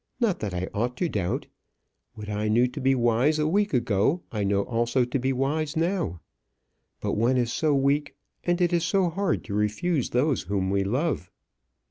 Not that I ought to doubt. What I knew to be wise a week ago, I know also to be wise now. But one is so weak, and it is so hard to refuse those whom we love."